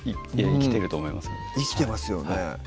生きてますよね